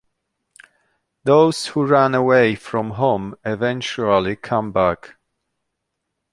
Those who run away from home eventually come back.